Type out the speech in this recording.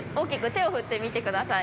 手を振ってみてください。